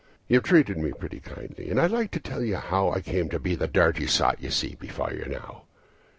"You've treated me pretty kindly and I'd like to tell you how I came to be the dirty sot you see before you now.